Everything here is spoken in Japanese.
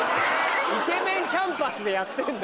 イケメンキャンパスでやってんだよ！